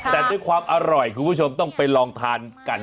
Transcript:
แต่ด้วยความอร่อยคุณผู้ชมต้องไปลองทานกัน